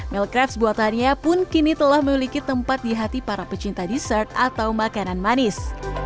mealcrafts buatannya pun kini telah memiliki tempat di hati para pecinta dessert atau makanan manis